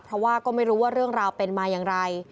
เพราะว่าก็ไม่รู้ว่าเรื่องราวเป็นมาอย่างไร